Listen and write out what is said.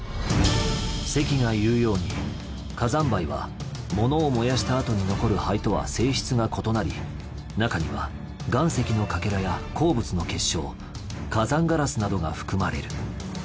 関が言うように火山灰は物を燃やした後に残る灰とは性質が異なり中には岩石のかけらや鉱物の結晶火山ガラスなどが含まれる。